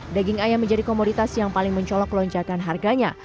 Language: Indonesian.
daging ayam menjadi komoditas yang paling mencolok lonjakan harganya